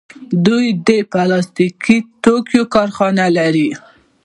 دوی د پلاستیکي توکو کارخانې لري.